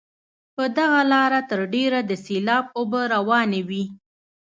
په دغه لاره تر ډېره د سیلاب اوبه روانې وي.